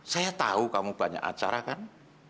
saya tahu kamu banyak acara kan